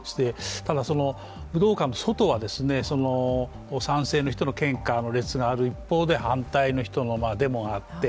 ただ、武道館の外は、賛成の人の献花の列がある一方で反対の人のデモがあって